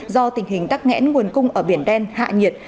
do tình hình tắc nghẽn nguồn cung ở biển đen hạ nhiệt